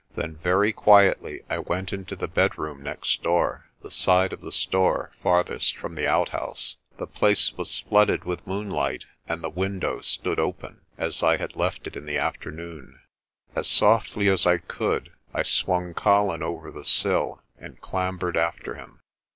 Then very quietly I went into the bedroom next door the side of the store farthest from the outhouse. The place was flooded with moonlight, and the window stood open, as I had left it in the afternoon. As softly as I could I swung Colin over the sill and clambered after him.